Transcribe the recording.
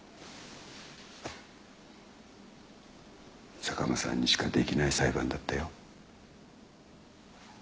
坂間さんにしかできない裁判だったよ。